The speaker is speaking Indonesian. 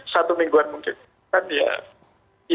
satu mingguan mungkin